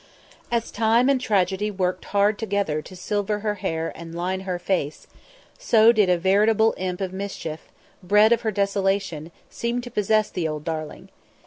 As time and tragedy worked hard together to silver her hair and line her face, so did a veritable imp of mischief, bred of her desolation, seem to possess the old darling.